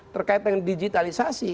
terkait dengan digitalisasi